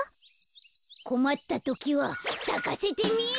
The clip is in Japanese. こまったときはさかせてみる。